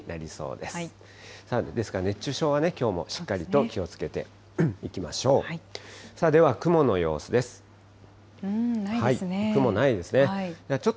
ですから熱中症は、きょうもしっかりと気をつけていきましょう。